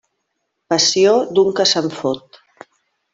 Passió d'un que se'n fot.